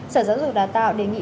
sở giáo dục và đào tạo đề nghị